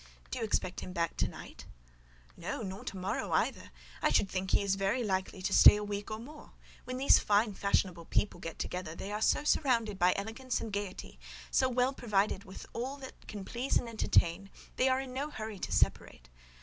"Do you expect him back to night?" "No—nor to morrow either; I should think he is very likely to stay a week or more: when these fine, fashionable people get together, they are so surrounded by elegance and gaiety, so well provided with all that can please and entertain, they are in no hurry to separate.